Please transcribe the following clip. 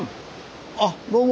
あっどうも。